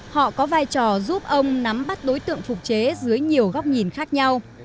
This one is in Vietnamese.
họ có vai trò giúp ông nắm bắt đối tượng phục chế dưới nhiều góc nhìn khác nhau